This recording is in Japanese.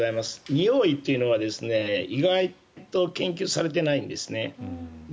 においというのは意外と研究されていないんですね。